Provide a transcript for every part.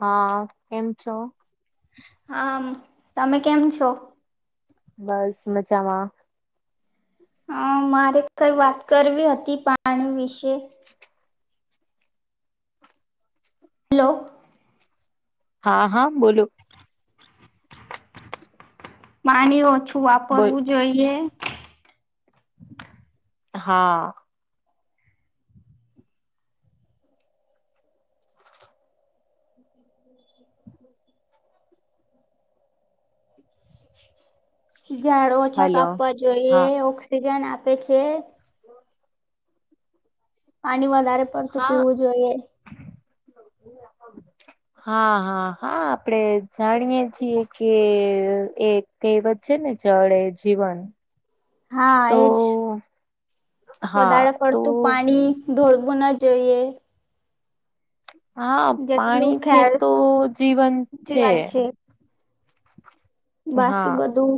હ કેમ છો? હા તમે કેમ છો? બસ મજામાં. હ મારે કઈ વાત કરવી હતી પાણી વિશે લો. હા હા બોલો પાણી ઓછું બોલ વાપરવું જોઈએ હા. હ હમ ઝાડ ઓછા હલો કાપવા જોઈએ હા ઓક્સિજન આપે છે. પાણી વધારે પડતું હા પીવું જોઈએ હા હા હા આપડે જાણીયએ છીએ કે એક કવત છે ને ચળે જીવન. હા તો એજ હા વધારે તો પડતું પાણી. ઢોળવું ન જોઈએ હા પાણી જેટલું છે ખ્યાલ તો જીવન છે. હા બાકી બધું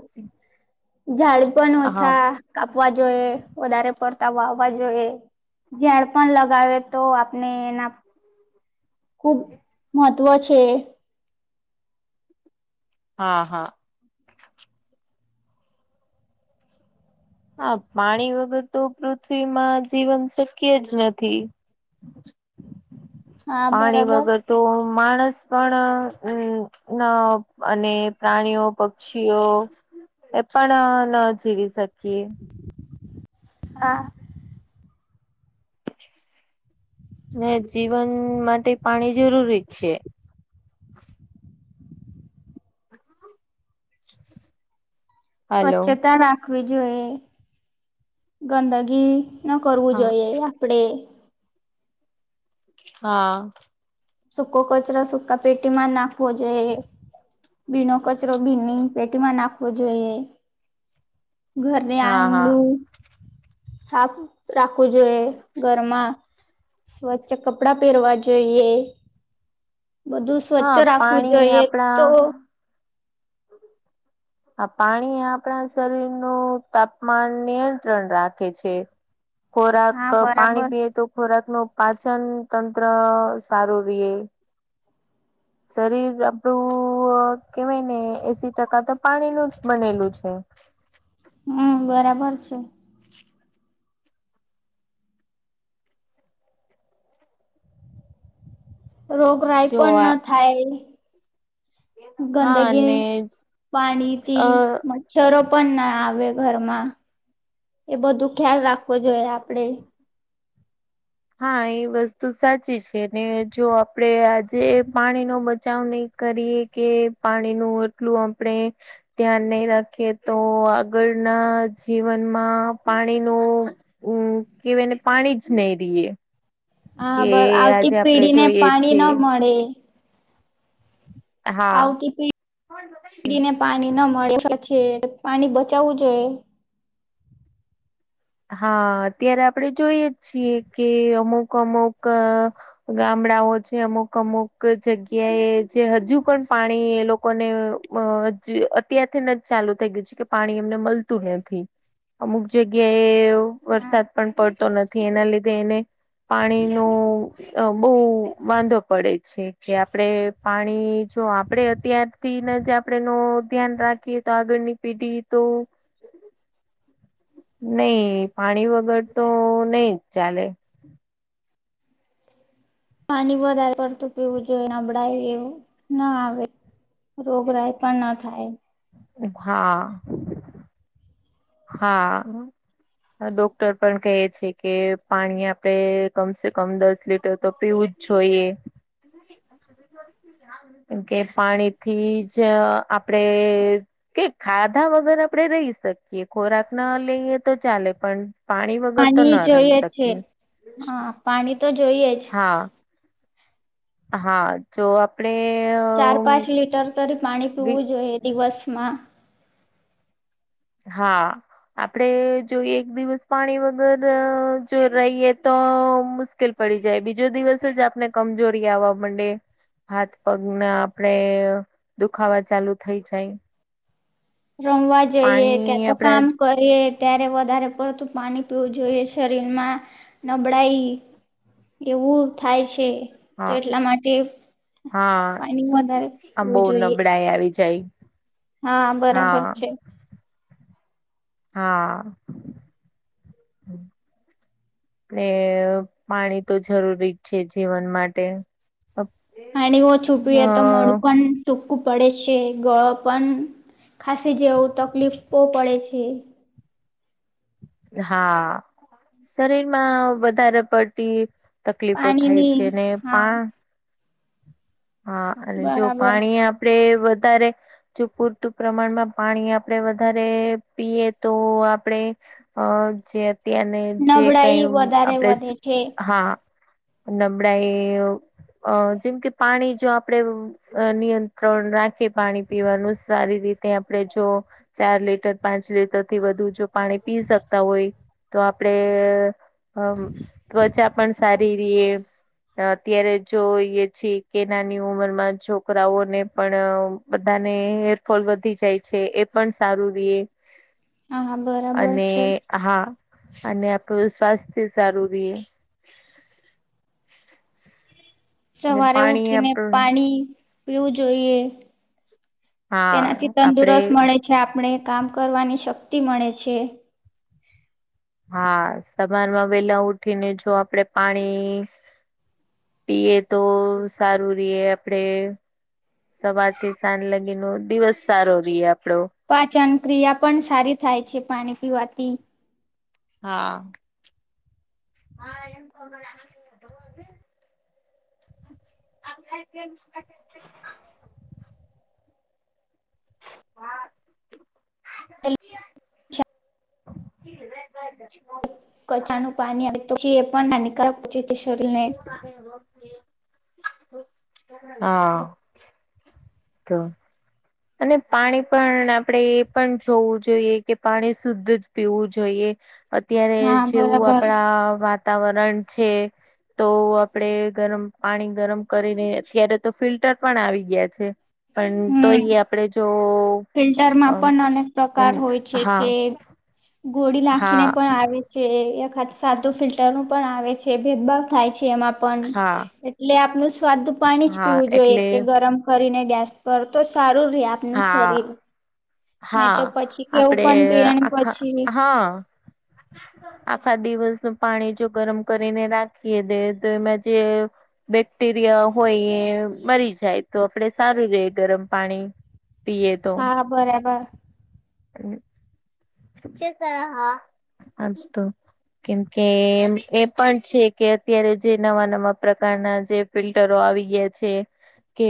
ઝાડ પણ હા ઓછા કાપવા જોઈએ વધારે પડતા વાવવા જોઈએ ઝડ પણ લગાવે તો આપને એના ખુબ મહત્વ છે. હા હા હા પાણી વગર તો પૃથ્વીમાં જીવન શક્ય જ નથી. [inaudible] પાણી બરાબર વગર તો માણસ પણ હમ્મ ના અને પ્રાણીઓ પક્ષીઓ એ પણ ન જીવી શકીએ. હા ને જીવન માટે પાણી જરૂરી જ છે. હલો સ્વચ્છતા રાખવી જોઈએ ગંદગી ન કરવું હા જોઈએ આપણે. હા. સૂકો કચરો સુકા પેટીમાં નાખવો જોઈએ ભીનો કચ રો ભીની પેટીમાં નાખવો જોઈએ ઘરને હા હા આંગળું સાફ રાખવું જોઈએ ઘરમાં સ્વચ્છ કપડાં પહેરવા જોઈએ. બધું હા સ્વચ્છ રાખવું પાણી જોઈએ આપણા તો આ પાણી આપણા શરીર નું તાપમાન નિયંત્રણ રાખે છે. [inaudible] ખોરાક હા પાણી બરાબર પીએ તો ખોરાક નું પાચન તંત્ર સારું રિયે. શરીર આપડું કેવાય ને એસી ટકા તો પાણી નું જ બનેલું છે. હમ્મ બરાબર છે. રોગરાાય જો પણ ન થાય. હા ગંદગી ને પાણી અ થી છરો પણ ના આવે ઘરમાં એ બધું ખ્યાલ રાખવો જોઈએ આપડે. હા એ વસ્તુ સાચી છે ને જો આપડે આજે પાણીનો બચાવ નહી કરીએ કે પાણી નું એટલું આપણે ધ્યાન નહી રાખે તો આગળના જીવનમાં પાણી નું ઉ કેવાયને પાણી જ નહી રિયે. હા કે બ આવતી આજે આપણેે પેઢીને જોઈએ પાણી છે. ન મળે આવતી પીડીને પાણી ન મળે પછી પાણી બચાવવું જોઈએ. હા અત્યારે આપણે જોઈએ છીએ કે અમુક અમુક ગામડાઓ છે અમુક અમુક જગ્યાએ જે હજુ પણ પાણી એ લોકોને અ અત્યારથીને જ ચાલુ થઈ ગયું છે કે પાણી એમને મળતું નથી અમુક જગ્યા કે હા વરસાદ પણ પડતો નથી એના લીધે એને પાણી નું અ બો વાંધો પડે છે કે આપડે પાણી જો આપડે અત્યારથી જ આપણે નો ધ્યાન રાખીએ તો આગળની પેઢી તો નહી પાણી વગર તો નહી જ ચાલે. પાણી વધારે પડતું પીવું જોઈએ નબળાય એવું ના આવે. રોગરાય પણ ના થાય. હા. હા, ડોક્ટર પણ કહે છે કે પાણી આપડે કમસે કમ દસ લીટર તો પીવું જ જોઈએ. કેમ કે પાણીથી જ આપ ડે કે ખાધા વગર આપડે રહી શકીએ. કે ખોરાક ના લઈએ તો ચાલે પણ પાણી વગર તો ન રહી જોઈએ છે શકીએ. હા પાણી તો જોઈએ જ. હા. હા! જો આપણેે ચાર પાંચ લીટર પાણી પીવું જોઈએ દિવસમાં. હા! આપડે જો એક દિવસ પાણી વગર જો રહીયએ તો મુશ્કેલ પડી જાય બીજો દિવસ જ આપને કમજોરી આવવા મંડે હાથ પગના આપણે દુખાવા ચાલુ થઇ જાય. રમવા જઈએ પાણી ક્યાં તો આપડા કામ કરીએ ત્યારે વધારે પડતું પાણી પીવું જોઈએ શરીરમાં નબળાઈ એવું થાય છે, તો હ એટલા માટે હા પાણી વધારે આમ પવું બહુ જોઈએ. નબળાઈ આવી જાય હા બરાબર હા છે. હા! [unintelligible] ને પાણી તો જરૂરી જ છે જીવન માટે. પાણી ઓછુ હ પી એ તો મોડુ પણ સૂકું પડે છે. ગળો પણ ખાસી જેવું તકલીફ પડે છે. હા શરીરમાં વધારે પડતી તકલીફો થાય પાણીની છે ને હા પા હા અને જો બરાબર પાણી આપડે વધારે જો પૂરતું પ્રમાણમાં પાણી આપણે વધારે પીએ તો આપણે અ જે અત્યારને જે કઈ નબળાઈ વધારે આપણે વધે છે હા નબળાઈ જેમ કે પાણી જો આપડે અ નિયંત્રણ રાખે પાણી પીવાનું સારી રીતે આપણે જો ચાર લીટર પાંચ લીટર થી વધુ જો પાણી પી શકતા હોય તો, આપણે ત્વચા પણ સારી ર અત્યારે જો એ પછ કે નાની ઉંમર માં છોકરાઓને પણ બધાને ફલ વધી જાય છે એ પણ સારું રએ [unintelligible] બરાબર અને છે હા અને આપણું સ્વાસ્થ્ય સારું રે. અને સવારે પાણી ઉઠીને આપણ પાણી પીવું જોઈએ. હા તેનાથી આપડે તંદુરસ્ત મળે છે આપણે કામ કરવાની શક્તિ મળે છે. હા સમારમાં વેલા ઉઠીને જો આપડે પાણી પીએ તો સારું રીએ આપડે- સવારથી સાંજ લગી ન દિવસ સારો રહીએ આપડો. પાચન ક્રિયા પણ સારી થાય છે પાણી પીવાથી. હા! હા એમ [inaudible] [unintelligible] કચાનું પાણી આવે તોછી એ પણ નાની કર પછ શ્રને હા તો અને પાણી પણ આપણે એ પણ જોવું જોઈએ કે પાણી શુદ્ધ જ પીવું જોઈએ અત્યારે હા જેવું બરાબર આપણા વાતાવરણ છે. તો આપડે ગરમ પાણી ગરમ કરીને અત્યારે તો ફિલ્ટર પણ આવી ગયા છે. પણ હમ તોયએ આપડે જો ફિલ્ટરમાં અમ પણ અનેક પ્રકાર એમ હોય છે કે હા ગોળી નાખીને હા પણ આવે છે એખાત સાદું ફિલ્ટર નું પણ આવે છે. જે ભેદભાવ થાય છે એમાં હા એટલે આપનું સ્વાદ પાણી જ હા પીવું જોઈએ એટલે કે ગરમ કરીને ગેસ પર તો સારું રે આપનું હા શરીર નહી હા તો પછી કેવું આપડે પણ પીણ આખા પછી. હા. [inaudible] આખા દિવસનું પાણી જો ગરમ કરીને રાખીએ દે તો એમાં જે બેક્ટેરિયા હોય એ મરી જાય તો આપડે સારું ર ગરમ પાણી પીએ તો. હા બરાબર. અને. હા હાતો કેમકે એ પણ છે કે અત્યારે જે નવા નવા પ્રકારના જે ફિલ્ટરો આવી ગયા છે. કે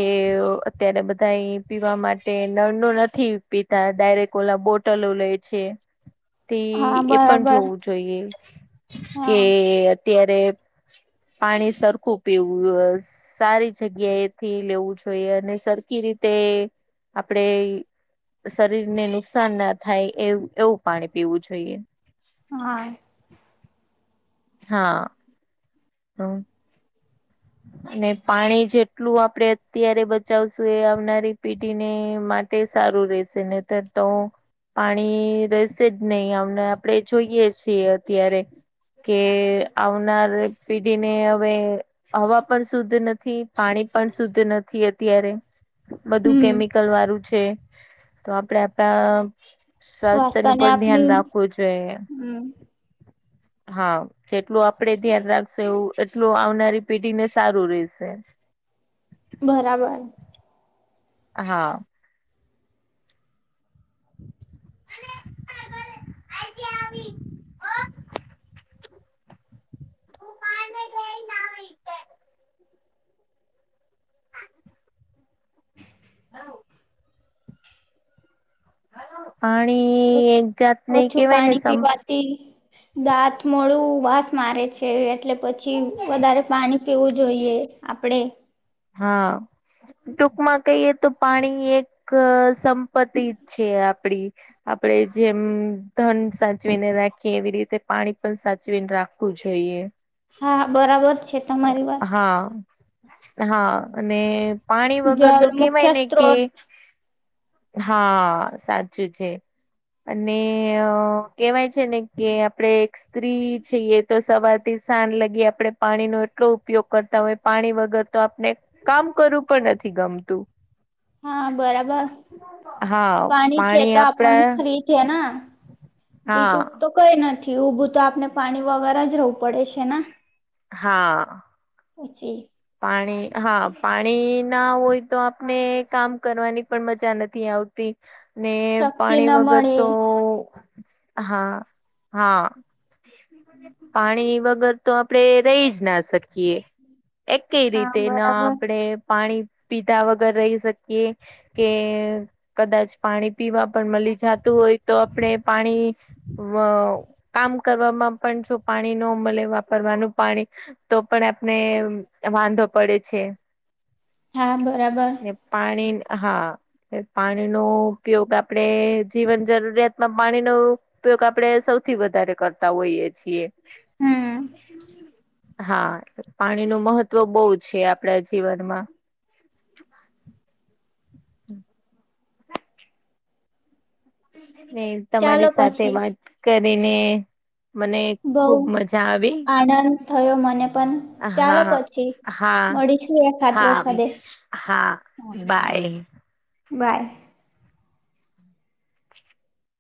અત્યારે બધા પીવા માટે નળ ન નથી પી ત ડાયરેક્ટ ઓલા બોટલો લે છે. થી હા એ પણ બરાબર જોવું જોઈએ હા કે અયારે પાણી સરખું પીવુંસ. સારી જગ્યાએથી લેવું જોઈએ અને સરખી રીતે આપણેે શરીરને નુકસાન ના થાય એ એવું પાણી પીવું જોઈએ. હા. હા. નઓ. અને પાણી જેટલું આપડે અત્યારે બચાવશું એ આવનારી પેઢીને માટે તે સારું રહેશે ને તો તો પાણી રહેશે જ નહીં અમને આપણેે જોઈએ છીએ અત્યારે કે આવનાર પેઢીને હવે હવા પણ શુદ્ધ નથી પાણી પણ શુદ્ધ નથી અત્યારે. બધું હમ કેમિકલ વાળું છે તો આપડે આપડા સ્વાસ્થ્ય નું સ્વાસ્થ્યને પણ આપની ધ્યાન રાખવું જોઈએ. હમ હા જેટલું આપડે ધ્યાન રાખશુ એવું એટલું આવનારી પેઢીને સારું રેશે. બરાબર. હા. હ [inaudible] હા [inaudible] પાણી એક ઓછું જાતનેકેવાય ને પાણી સં પીવાથી દાંત મોઢું વાસ મારે છે એટલે પછી વધારે પાણી પીવું જોઈએ આપડે. હા. ટૂંકમાં કહીએ તો પાણી એક સંપતિ છે આપડી આપણેે જેમ ધન સાચવીને રાખીએ એવી રીતે પાણી પણ સાચવીને રાખ જોઈએ. હા બરાબર છે તમારી વાત. હા હા અને પાણી વગર જળ તો કેવાય મુખ્ય ને કે સ્ત્રોત હા સાચું છે. અને અ કેહેવાય છે ને કે આપડે સ્ત્રી છીએ તો સવાર થી સાંજ લગી આપડણે પાણીનો એટલો ઉપયોગ કરતા હોય પાણી વગર તો આપને કામ કરવું પણ નથી ગમતું. હા બરાબર હા પાણી છે તો આપડા આપણ સ્ત્રી છે ને હા બીજું તો કઈ નથી ઊભું તો આપને પાણી વગર જ રહેવું પડે છે. હા પછી પાણી હા પાણી ના હોય તો આપને કામ કરવાની પણ મજા નથી આવતી ને શક્તિ પાણી ના વગર મળે તો હા હા પાણી વગર તો આપડે રહી જ ના શકીએ એક કઈ હા રીતે ના બરાબર આપણેે પાણી પીધા વગર રહી શકીએ કે કદાચ પાણી પીવા પણ મળી જતું હોય તો આપણે પાણી અ કામ કરવામાં પણ જો પાણી ન મળે વાપરવાનું પાણી તો પણ આપને વાંધો પડે છે હા બરાબર ને પાણી હા પાણીનો ઉપયોગ આપણેે જીવન જરૂરિયાત માં પાણી નો ઉપયોગ આપડણે સૌથી વધારે કરતા હોઈએ છીએ હમ હા પાણી નું મહત્વ બહુ છે આપણા જીવનમાં ને ચાલો તમારી સાથે પછી વાત કરીને મને બઉ ખુબ મજા આવી આનંદ થયો મને પણ ચાલો હા પછી હા મળીશું એકાદ હા વખતે હા બાય બાય